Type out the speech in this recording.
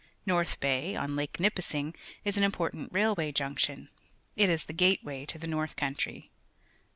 Xorth Bay, on Lake Nipissing, is an important railwa}' junction. It is the gateway to the north country.